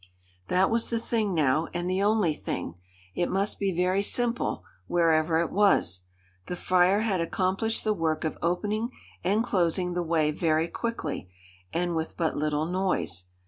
That was the thing now, and the only thing. It must be very simple, wherever it was. The friar had accomplished the work of opening and closing the way very quickly, and with but little noise.